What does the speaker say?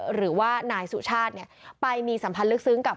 หรือว่านายสุชาติไปมีสัมพันธ์ลึกซึ้งกับ